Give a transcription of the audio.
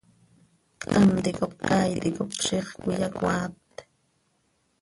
Ctam ticap caay ticap ziix cöiyacoaat.